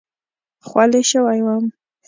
خولې شوی وم.